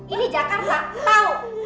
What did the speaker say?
ini jakarta tau